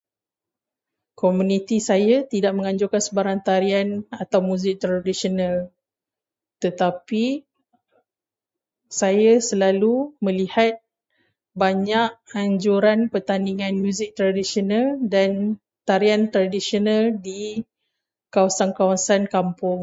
Komuniti saya tidak menganjurkan sebarang tarian atau muzik tradisional , tetapi saya selalu melihat banyak anjuran pertandingan muzik tradisional dan tarian tradisional di kawasan-kawasan kampung.